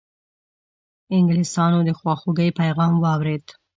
انګلیسیانو د خواخوږی پیغام واورېد.